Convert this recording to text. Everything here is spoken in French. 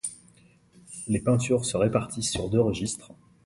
Les peintures se répartissent sur deux registres.